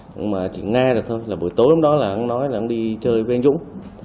nhưng mà chỉ nghe được thôi bữa tối hôm đó là ông nói là ông đi chơi với anh dũng